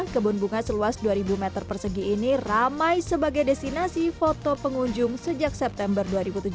kebun bunga seluas dua ribu meter persegi ini ramai sebagai destinasi foto pengunjung sejak september dua ribu tujuh belas